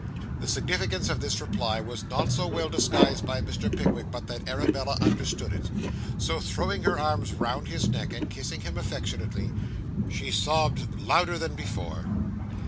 The significance of this reply was not so well disguised by Mr. Pickwick but that Arabella understood it. So, throwing her arms round his neck, and kissing him affectionately, she sobbed louder than before.